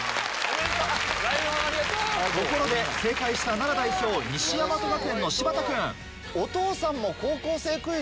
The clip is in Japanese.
ところで正解した奈良代表西大和学園の柴田君。